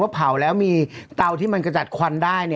เผาแล้วเป็นเตาที่จะจะจัดควั้นได้